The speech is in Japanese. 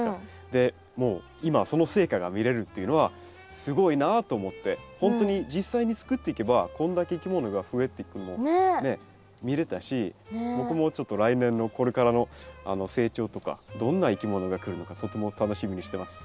でもう今その成果が見れるっていうのはすごいなと思ってほんとに実際に作っていけばこんだけいきものが増えていくのをね見れたし僕もちょっと来年のこれからの成長とかどんないきものが来るのかとても楽しみにしてます。